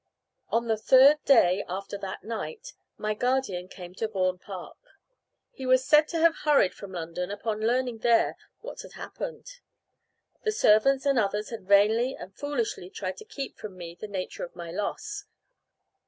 On the third day after that night, my guardian came to Vaughan Park. He was said to have hurried from London, upon learning there what had happened. The servants and others had vainly and foolishly tried to keep from me the nature of my loss.